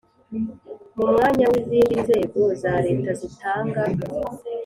mu mwanya w izindi nzego za Leta zitanga